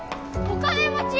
お金持ち！